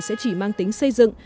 sẽ chỉ mang tính xây dựng